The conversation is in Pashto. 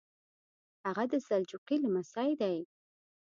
هغه د سلجوقي لمسی دی.